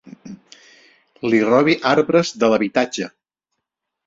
Li robi arbres de l'habitatge.